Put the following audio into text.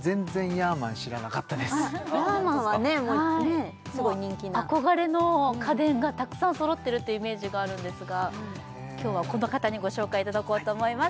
ヤーマンはねすごい人気な憧れの家電がたくさんそろってるってイメージあるんですが今日はこの方にご紹介いただこうと思います